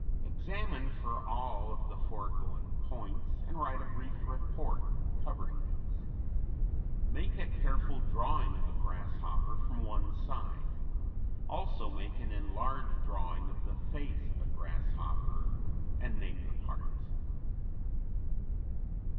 Examine for all the foregoing points and write a brief report covering these. Make a careful drawing of a grasshopper from one side; also make an enlarged drawing of the face of a grasshopper and name the parts.